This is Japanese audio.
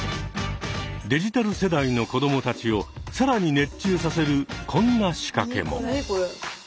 デジタル世代の子どもたちを更に熱中させるこんな仕掛けも。